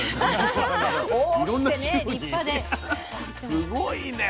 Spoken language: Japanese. すごいね。